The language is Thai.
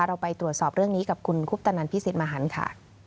เราไปตรวจสอบเรื่องนี้กับคุณคุปตนันพิสิทธิมหันค่ะ